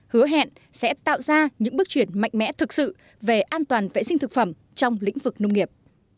hứa hẹn sẽ tạo ra những bước chuyển mạnh mẽ thực sự về an toàn vệ sinh thực phẩm trong lĩnh vực nông nghiệp